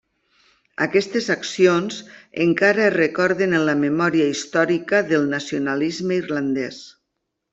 Aquestes accions encara es recorden en la memòria històrica del nacionalisme irlandès.